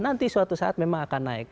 nanti suatu saat memang akan naik